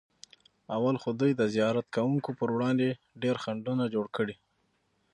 اول خو دوی د زیارت کوونکو پر وړاندې ډېر خنډونه جوړ کړي.